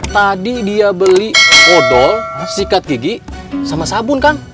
tadi dia beli odol sikat gigi sama sabun kang